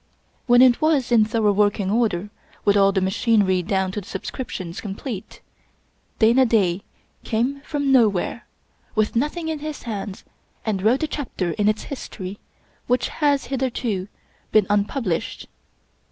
When it was in thorough working order, with all the machinery down to the subscriptions complete, Dana Da came from nowhere, with nothing in his hands, and wrote a chapter in its history which has hitherto been unpub i8 Rudyard Kipling lished.